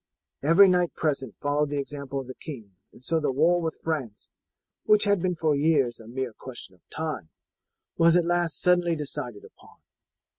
Every knight present followed the example of the king, and so the war with France, which had been for years a mere question of time, was at last suddenly decided upon.